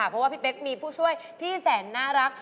เพราะว่าพี่เป๊กมีผู้ช่วยที่แสนน่ารัก